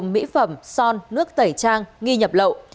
mỹ phẩm son nước tẩy trang nghi nhập lộ